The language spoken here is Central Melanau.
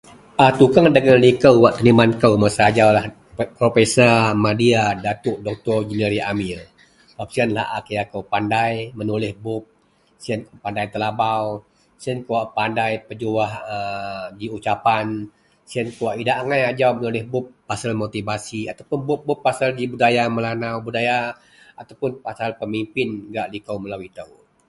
a tukang dagen liko wak teniman kou masa ajaulah, professor media datuk doktor jeniri amir, sebab sienlah a kira kou pandai menulih bup, sien a pandai telabau, sien kawak pandai pejuah aa ji ucapan, sien kawak idak agai ajau menulih bup pasel motivasi ataupun bup-bup ji pasel budaya melanau, budaya ataupun pasel pemimpin gak liko melou itou.